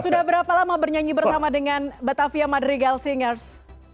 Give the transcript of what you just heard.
sudah berapa lama bernyanyi bersama dengan batavia madrigal singers